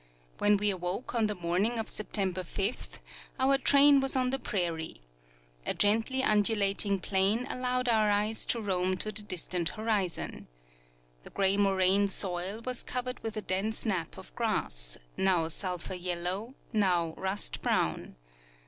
When we aAvoke on tlie morning of September 5 our train was on the prairie. A gently undulat ing plain allowed our eyes to roam to the distant horizon. The gray moraine soil was covered with a dense nap of grass, now sulphur yellow, now rust brown.